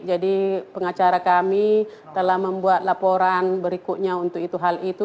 jadi pengacara kami telah membuat laporan berikutnya untuk hal itu